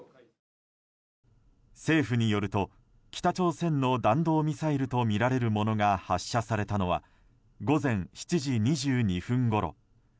政府によると、北朝鮮の弾道ミサイルとみられるものが発射されたのは午前７時２２分ごろ。